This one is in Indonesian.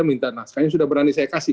minta nasca ini sudah berani saya kasih